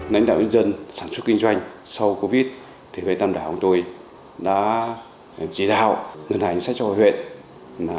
nãnh đạo dân sản xuất kinh doanh sau covid một mươi chín thì tâm đảo của tôi đã chỉ đạo ngân hành sách cho hội huyện